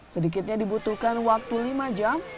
sedikitnya dibutuhkan waktu lima jam